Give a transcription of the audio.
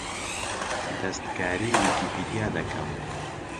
دەستکاریی ویکیپیدیا دەکەم.